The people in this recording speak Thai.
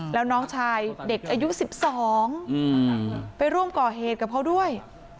แล้วน้องชายเด็กอายุ๑๒ไปร่วมก่อเหตุกับเขาด้วย